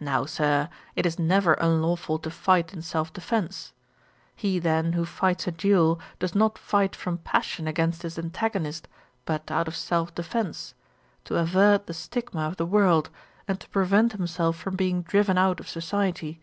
Now, Sir, it is never unlawful to fight in self defence. He, then, who fights a duel, does not fight from passion against his antagonist, but out of self defence; to avert the stigma of the world, and to prevent himself from being driven out of society.